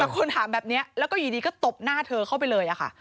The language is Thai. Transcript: แต่คนถามแบบนี้แล้วก็อยู่ดีก็ตบหน้าเธอเข้าไปเลยค่ะ